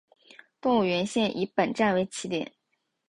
动物园线以本站为起点。